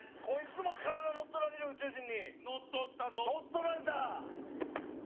コイツも体乗っ取られる宇宙人に乗っ取ったぞ乗っ取られた！